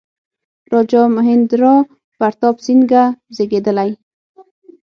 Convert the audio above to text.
راجا مهیندرا پراتاپ سینګه زېږېدلی.